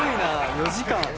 ４時間？